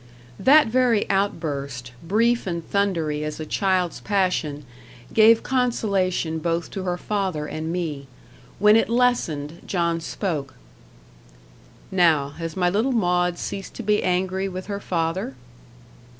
That very outburst, brief and thundery as a child's passion, gave consolation both to her father and me. When it lessened, John spoke. "Now has my little Maud ceased to be angry with her father?"